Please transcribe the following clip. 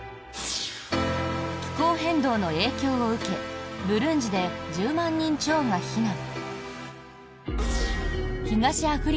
気候変動の影響を受けブルンジで１０万人超が避難。